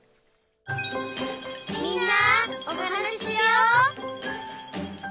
「みんなおはなししよう」